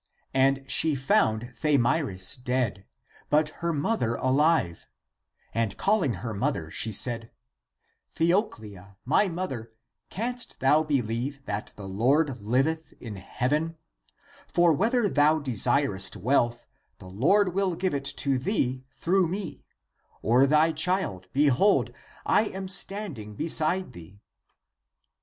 And she found Thamyris dead, but her mother alive. And calling her mother, she said, " Theoclia, my mother, canst thou believe that the Coptic : Our God. "Coptic: O Christ. 32 THE APOCRYPHAL ACTS Lord liveth in heaven? For whether thou desirest wealth, the Lord will give it to thee through me ; or thy child, behold, I am standing beside thee."